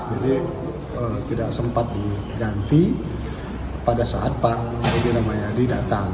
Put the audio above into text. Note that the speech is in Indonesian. jadi tidak sempat diganti pada saat pak yudi ramayadi datang